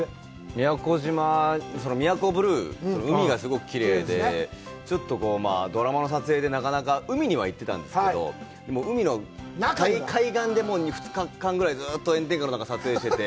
宮古島、宮古ブルー、海がすごくきれいで、ちょっとドラマの撮影でなかなか海には行ってたんですけど、海の海岸で２日間ぐらい、ずうっと炎天下の中、撮影してて。